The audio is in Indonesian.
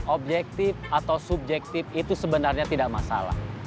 objektif atau subjektif itu sebenarnya tidak masalah